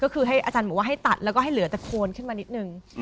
ก็คือให้อาจารย์บอกว่าให้ตัดแล้วก็ให้เหลือแต่โคนขึ้นมานิดนึง